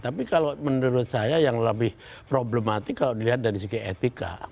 tapi kalau menurut saya yang lebih problematik kalau dilihat dari segi etika